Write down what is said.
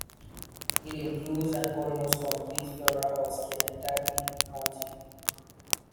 It includes an almost complete flora of Schenectady County.